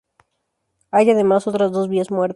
Hay además otras dos vías muertas.